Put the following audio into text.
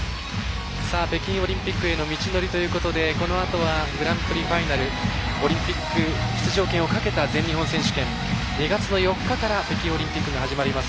北京オリンピックへの道のりということでこのあとはグランプリファイナルオリンピック出場権をかけた全日本選手権。２月の４日から北京オリンピックが始まります。